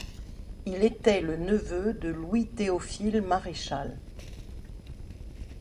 Il était le neveu de Louis-Théophile Maréchal.